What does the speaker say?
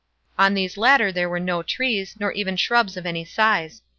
On these latter there were no trees, nor even shrubs of any size.